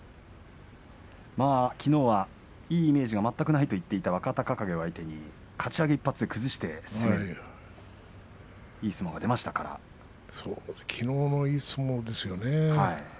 きのうは、いいイメージが全くないと言っていた若隆景相手にかち上げ１発で崩してきのうのいい相撲ですね。